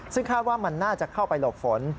ซึ่งคาดว่ามันน่าจะเข้าไปหลบฝน